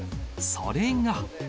それが。